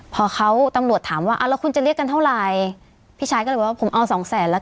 พอเขาตำรวจถามว่าอ่าแล้วคุณจะเรียกกันเท่าไหร่พี่ชายก็เลยบอกว่าผมเอาสองแสนแล้ว